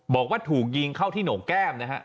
บอกว่าถูกยิงเข้าที่โหนกแก้มนะฮะ